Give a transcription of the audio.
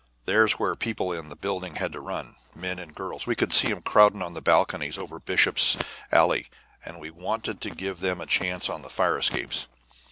There's where people in the building had to run to, men and girls; we could see 'em crowding on the balconies over Bishop's Alley, and we wanted to give 'em a chance on the fire escapes.